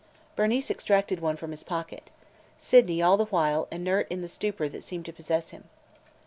Bernice extracted one from his pocket, Sydney all the while inert in the stupor that seemed to possess him.